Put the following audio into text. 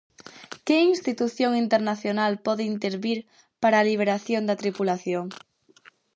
Que institución internacional pode intervir para a liberación da tripulación?